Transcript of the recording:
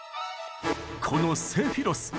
このセフィロス